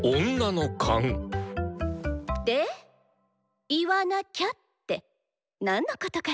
で「言わなきゃ」って何のことかしら？